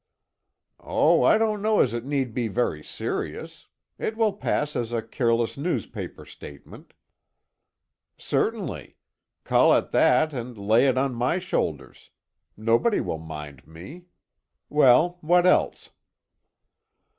"Oh, I don't know as it need be very serious. It will pass as a careless newspaper statement." "Certainly. Call it that and lay it on my shoulders. Nobody will mind me. Well, what else?"